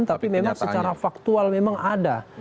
tapi memang secara faktual memang ada